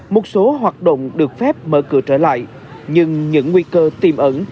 một số hoạt động được phép mở cửa trở lại nhưng những nguy cơ tiềm ẩn